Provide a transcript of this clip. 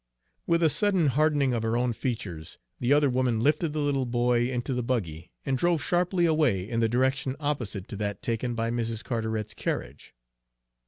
With a sudden hardening of her own features the other woman lifted the little boy into the buggy and drove sharply away in the direction opposite to that taken by Mrs. Carteret's carriage.